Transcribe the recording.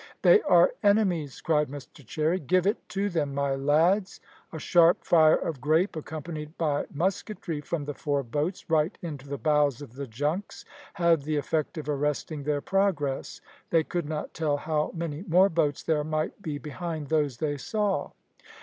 "They are enemies," cried Mr Cherry; "give it to them, my lads." A sharp fire of grape, accompanied by musketry from the four boats, right into the bows of the junks, had the effect of arresting their progress. They could not tell how many more boats there might be behind those they saw.